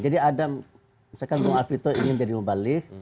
jadi ada misalkan bung alfito ingin jadi mubalik